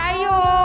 sampai jumpa lagi